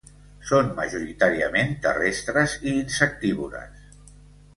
Són majoritàriament terrestres i insectívores.